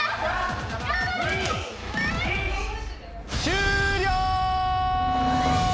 終了！